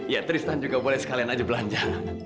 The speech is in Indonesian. ya tristan juga boleh sekalian aja belanja